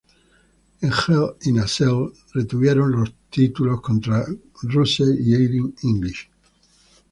En Hell In A Cell retuvieron los títulos contra Rusev y Aiden English.